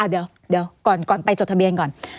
เดี๋ยวก่อนไปจดทะเบียนก่อน